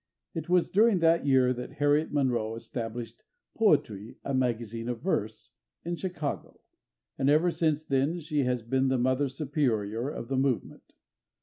It was during that year that Harriet Monroe established Poetry: A Magazine of Verse, in Chicago, and ever since then she has been the mother superior of the movement.